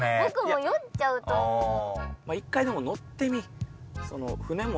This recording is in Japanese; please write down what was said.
まあ一回でも乗ってみ。